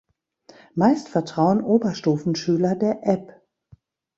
Meist vertrauen Oberstufenschüler der App.